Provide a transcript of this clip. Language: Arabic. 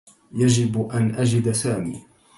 يجب أن أجد سامي.